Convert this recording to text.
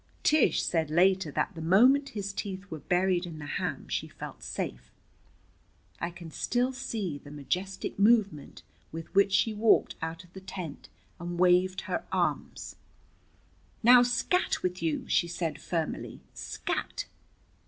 Tish said later that the moment his teeth were buried in the ham she felt safe. I can still see the majestic movement with which she walked out of the tent and waved her arms. "Now, scat with you!" she said firmly. "Scat!"